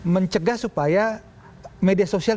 mencegah supaya media sosial